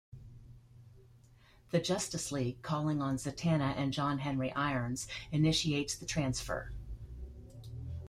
The Justice League, calling on Zatanna and John Henry Irons, initiates the transfer.